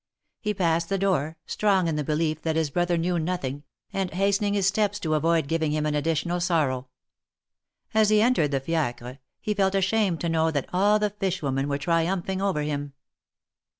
He passed the door, strong in the belief that his brother knew nothing, and hastening his steps to avoid giving him an additional sorrow. As he entered the fiacre, he felt ashamed to know that all the fish women were tri umphing over him.